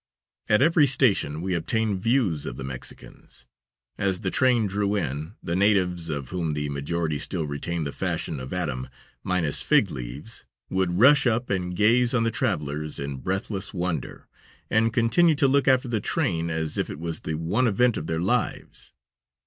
At every station we obtained views of the Mexicans. As the train drew in, the natives, of whom the majority still retain the fashion of Adam, minus fig leaves, would rush up and gaze on the travelers in breathless wonder, and continue to look after the train as if it was the one event of their lives.